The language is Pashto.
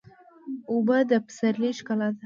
اوبه د پسرلي ښکلا ده.